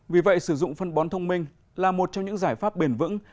vì vậy sử dụng phân bón thông minh là một trong những giải pháp bền vững